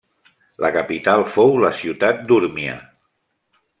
La capital fou la ciutat d'Urmia.